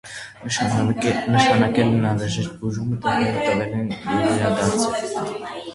Նշանակել են անհրաժեշտ բուժումը, դեղերը տվել և վերադարձել։